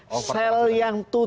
ya sel yang tujuh